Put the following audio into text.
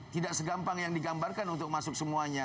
tidak segampang yang digambarkan untuk masuk semuanya